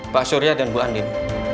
pak surya dan bu andin